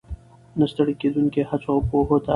، نه ستړې کېدونکو هڅو، او پوهې ته